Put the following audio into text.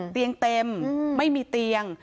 เตียงเต็มไม่มีเตียง